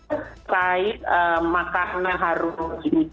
terkait makanan harus diisi